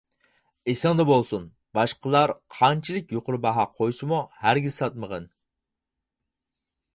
ئېسىڭدە بولسۇن، باشقىلار قانچىلىك يۇقىرى باھا قويسىمۇ ھەرگىز ساتمىغىن.